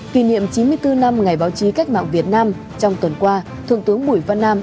kỷ niệm chín mươi bốn năm ngày báo chí cách mạng việt nam trong tuần qua thượng tướng bùi văn nam